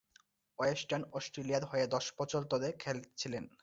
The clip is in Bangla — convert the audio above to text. ওয়েস্টার্ন অস্ট্রেলিয়ার হয়ে দশ বছর ধরে খেলেছিলেন।